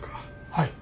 はい。